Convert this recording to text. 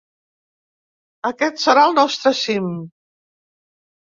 Aquest serà el nostre cim.